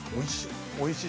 おいしい。